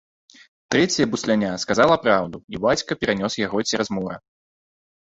Трэцяе бусляня сказала праўду, і бацька перанёс яго цераз мора.